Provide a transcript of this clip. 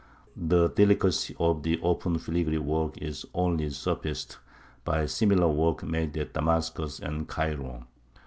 The delicacy of the open filigree work is only surpassed by similar work made at Damascus and Cairo.